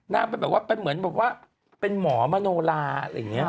นางแบบว่าเป็นเหมือนบอกว่าเป็นหมอมโนลาหรืออย่างเงี้ย